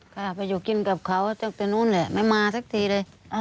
ค่ะไปอยู่กินกับเขาตั้งแต่นู้นแหละไม่มาสักทีเลย